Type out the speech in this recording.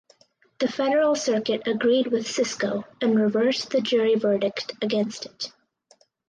The Federal Circuit agreed with Cisco and reversed the jury verdict against it.